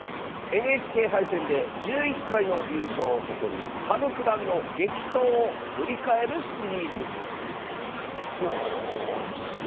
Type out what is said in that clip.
ＮＨＫ杯戦で１１回の優勝を誇る羽生九段の激闘を振り返るシリーズ